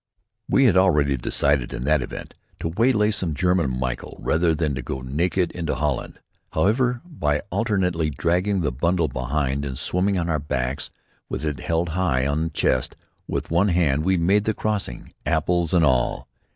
We had already decided in that event to waylay some German Michel rather than to go naked into Holland. However, by alternately dragging the bundle behind and swimming on our backs with it held high on the chest with one hand, we made the crossing, apples and all.